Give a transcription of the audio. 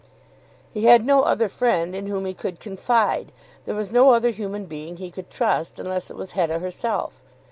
He had no other friend in whom he could confide. There was no other human being he could trust, unless it was Hetta herself.